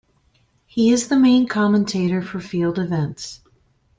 He is the main commentator for field events.